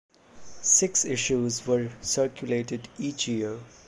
Six issues were circulated each year.